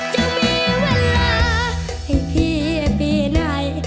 จะมีเวลาให้พี่เป็นใคร